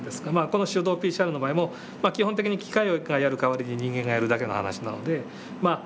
この手動ＰＣＲの場合も基本的に機械がやる代わりに人間がやるだけの話なのでまあ